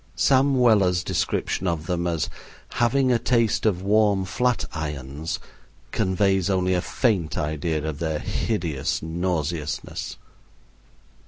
Sam Weller's description of them as "having a taste of warm flat irons" conveys only a faint idea of their hideous nauseousness.